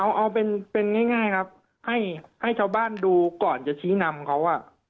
เอาเอาเป็นเป็นง่ายง่ายครับให้ให้ชาวบ้านดูก่อนจะชี้นำเขาอ่ะ